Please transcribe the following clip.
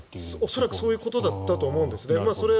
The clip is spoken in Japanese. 恐らくそういうことだったと思うんですね。